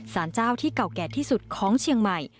สารเจ้าที่เก่าแก่ที่สุดของเชียงใหม่